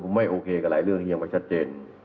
ไม่โอเคกับหลายเรื่องที่ยังไม่ชัดเจน